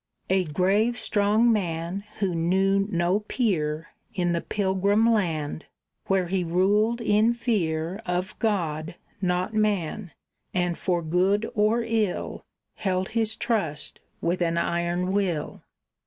A grave, strong man, who knew no peer In the pilgrim land, where he ruled in fear Of God, not man, and for good or ill Held his trust with an iron will.